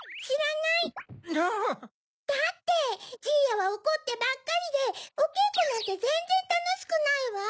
なぁ⁉だってじいやはおこってばっかりでおけいこなんてぜんぜんたのしくないわ。